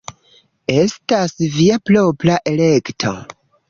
Estas via propra elekto.